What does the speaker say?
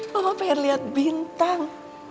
mama pengen lihat bintang